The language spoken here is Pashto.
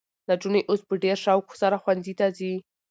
نجونې اوس په ډېر شوق سره ښوونځي ته ځي.